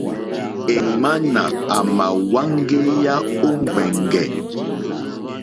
Èŋwánà àmà wáŋgéyà ó ŋwɛ̀ŋgɛ̀.